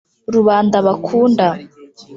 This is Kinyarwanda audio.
rubanda bakunda